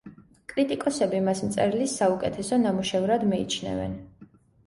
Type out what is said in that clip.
კრიტიკოსები მას მწერლის საუკეთესო ნამუშევრად მიიჩნევენ.